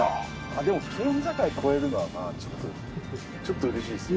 でも県境越えるのはまぁちょっとちょっとうれしいっすね。